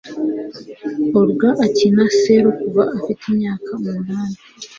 olga akina selo kuva afite imyaka umunani